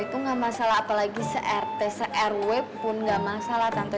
itu gak masalah apalagi crt crw pun gak masalah tante